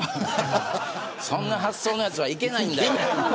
そんな発想のやつは行けないんだよ。